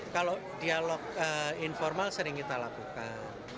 kalau dialog informal sering kita lakukan